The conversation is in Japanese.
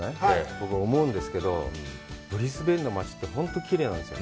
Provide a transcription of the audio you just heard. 僕、思うんですけど、ブリスベンの街って本当にきれいなんですよ。